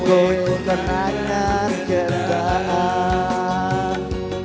kowe kuternanya sekedar